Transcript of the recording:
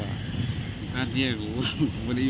อันที่สุดท้ายก็คือภาษาอันที่สุดท้าย